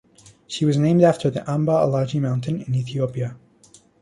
She was named after the Amba Alagi mountain in Ethiopia.